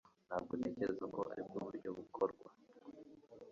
Ntabwo ntekereza ko aribwo buryo bukorwa